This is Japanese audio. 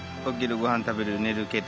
ごはん食べる寝る携帯。